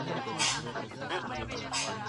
تاسو ولې تېره میاشت زما د رخصتۍ غوښتنه رد کړې وه؟